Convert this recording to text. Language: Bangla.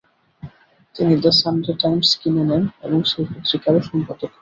তিনি দ্য সানডে টাইমস কিনে নেন এবং সেই পত্রিকারও সম্পাদক হন।